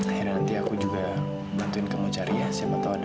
akhirnya nanti aku juga bantuin kamu cari yang lebih baik